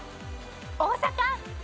大阪！